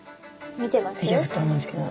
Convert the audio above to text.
見てると思うんですけど。